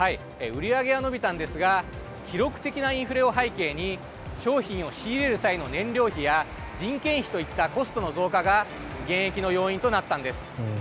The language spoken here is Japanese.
売り上げは伸びたんですが記録的なインフレを背景に商品を仕入れる際の燃料費や人件費といったコストの増加が減益の要因となったんです。